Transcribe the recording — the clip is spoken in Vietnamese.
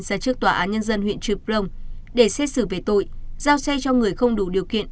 ra trước tòa án nhân dân huyện trư prong để xét xử về tội giao xe cho người không đủ điều kiện